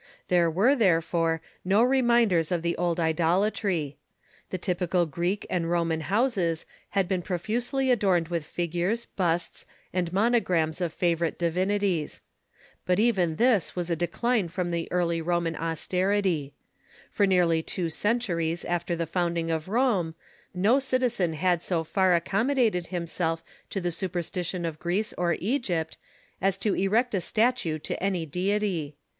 There were, therefore, no reminders of the old idola try. The typical Greek and Roman houses had been "^"ufe*"^ profusely adorned with figures, busts, and monograms of favorite divinities. But even this was a decline from the early Roman austerity. For nearly two centuries after the founding of Rome no citizen had so far accommo dated himself to the superstition of Greece or Egypt as to erect a statue to any deity.